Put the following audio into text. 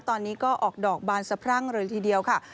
ตอนนี้ก็ออกดอกบานสะพรั่งเลยทีเดียวค่ะ